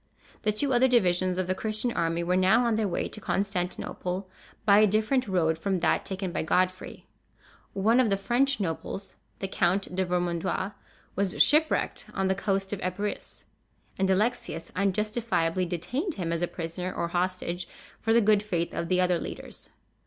The two other divisions of the Christian army were now on their way to Constantinople, by a different road from that taken by Godfrey. One of the French nobles, the Count de Vermandois, was shipwrecked on the coast of Epirus, and Alexius unjustifiably detained him as a prisoner or hostage for the good faith of the other leaders.